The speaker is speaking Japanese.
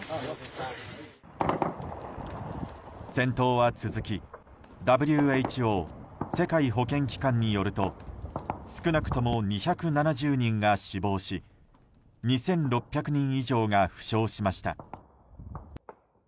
戦闘は続きＷＨＯ・世界保健機関によると少なくとも２７０人が死亡し２６００人以上が負傷しました。